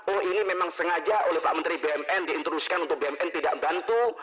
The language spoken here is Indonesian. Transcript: oh ini memang sengaja oleh pak menteri bumn diintrusikan untuk bumn tidak bantu